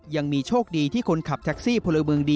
ยังมีโชคดีที่คนขับแท็กซี่พลเมืองดี